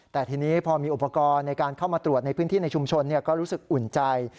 แต่ทีนี้พอมีอุปกรณ์ในการเข้ามาตรวจในพื้นที่ในชุมชนก็รู้สึกอุ่นใจ